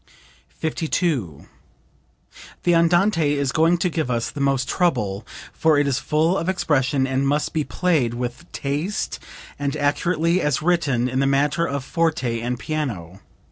52. "The Andante is going to give us the most trouble, for it is full of expression and must be played with taste and accurately as written in the matter of forte and piano.